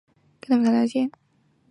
跟他们谈条件